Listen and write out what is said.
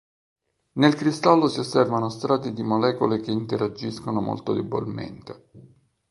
Nel cristallo si osservano strati di molecole che interagiscono molto debolmente.